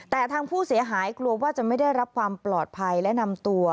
แต่ทางผู้เสียหายกลัวว่าจะไม่ได้รับความปลอดภัยและนำตัว